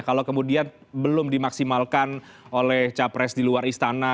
kalau kemudian belum dimaksimalkan oleh capres di luar istana